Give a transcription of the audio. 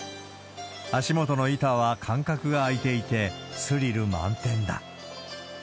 足元の板は間隔が空いていて、スリル満点だ。